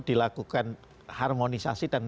dilakukan harmonisasi dan